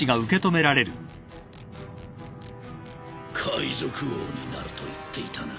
海賊王になると言っていたな。